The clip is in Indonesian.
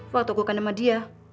waktu aku akan sama dia